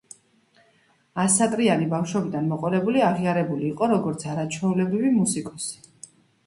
ასატრიანი ბავშვობიდან მოყოლებული აღიარებული იყო როგორც არაჩვეულებრივი მუსიკოსი.